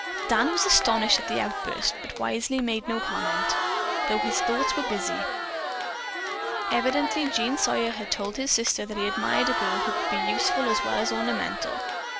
Dan was astonished at the outburst, but wisely made no comment, though his thoughts were busy. Evidently Jean Sawyer had told his sister that he admired a girl who could be useful as well as ornamental.